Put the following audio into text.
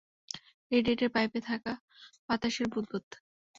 রেডিয়েটরের পাইপে থাকা বাতাসের বুদবুদ।